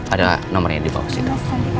ada nomernya di bawah situ